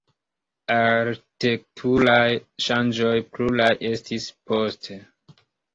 Arkitekturaj ŝanĝoj pluraj estis poste.